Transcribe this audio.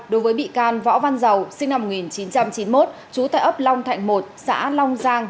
đối với bị can võ văn giàu sinh năm một nghìn chín trăm chín mươi một trú tại ấp long thạnh một xã long giang